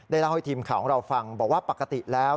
เล่าให้ทีมข่าวของเราฟังบอกว่าปกติแล้ว